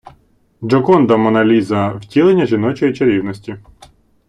Джоконда, Монна Ліза - втілення жіночої чарівності